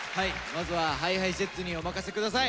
まずはＨｉＨｉＪｅｔｓにお任せ下さい！